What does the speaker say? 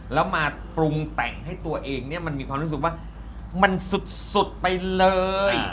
แล้วมาปรุงแต่งให้ตัวเองเนี่ยมันมีความรู้สึกว่ามันสุดไปเลย